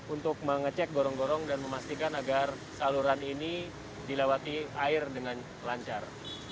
untuk mengecek gorong gorong dan memastikan agar saluran ini dilewati air dengan lancar